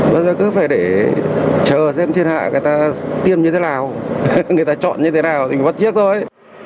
bây giờ cứ phải để chờ xem thiên hạ người ta tiêm như thế nào người ta chọn như thế nào mình vắt chiếc thôi